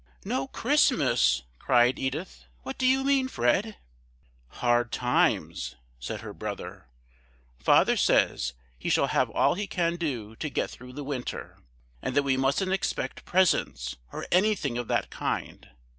"No Christmas?" cried Edith. "What do you mean, Fred?" "Hard times!" said her brother. "Father says he shall have all he can do to get through the winter, and that we mustn't expect presents, or anything of that kind.